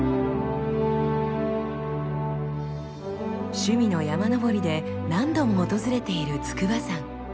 趣味の山登りで何度も訪れている筑波山。